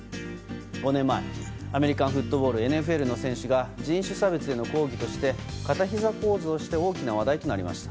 ５年前アメリカンフットボール・ＮＦＬの選手が人種差別への抗議として片ひざポーズをして大きな話題となりました。